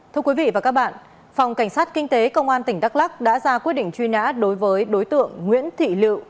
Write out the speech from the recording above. thưa quý vị và các bạn phòng cảnh sát kinh tế công an tỉnh đắk lắc đã ra quyết định truy nã đối với đối tượng nguyễn thị lự